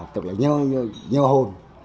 tức là nhớ hôn